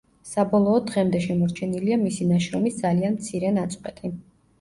საბოლოოდ დღემდე შემორჩენილია მისი ნაშრომის ძალიან მცირე ნაწყვეტი.